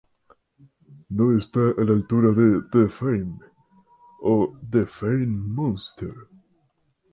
No está a la altura de "The Fame" o "The Fame Monster".